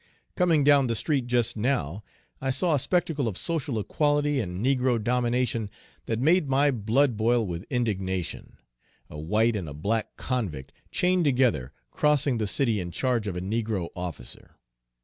Coming down the street just now, I saw a spectacle of social equality and negro domination that made my blood boil with indignation, a white and a black convict, chained together, crossing the city in charge of a negro officer!